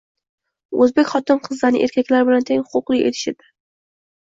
— o‘zbek xotin-qizlarini erkaklar bilan teng huquqli etish edi.